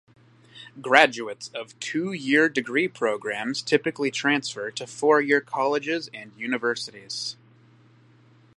Graduates of two-year degree programs typically transfer to four-year colleges and universities.